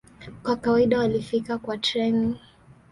Kwa kawaida walifika kwa treni.